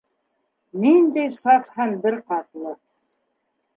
Ниндәй саф һәм бер ҡатлы.